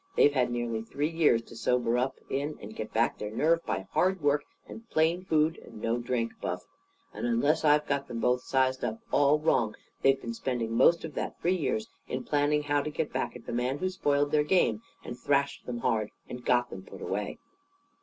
They've had nearly three years to sober up in and get back their nerve by hard work and plain food and no drink, Buff. And unless I've got them both sized up all wrong, they've been spending most of that three years in planning how to get back at the man who spoiled their game and thrashed them and got them put away.